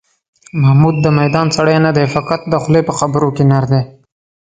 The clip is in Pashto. محمود د میدان سړی نه دی، فقط د خولې په خبرو کې نر دی.